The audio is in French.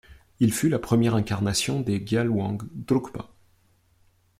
Il fut la première incarnation des Gyalwang Drukpa.